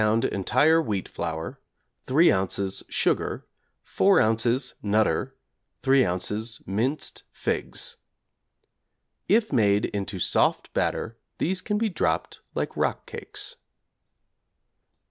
entire wheat flour, 3 ozs. sugar, 4 ozs. 'Nutter,' 3 ozs. minced figs. (If made into soft batter these can be dropped like rock cakes).